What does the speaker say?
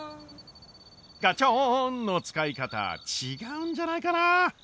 ガチョン！の使い方違うんじゃないかなあ？